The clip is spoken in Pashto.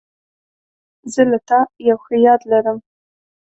زه له تا یو ښه یاد لرم.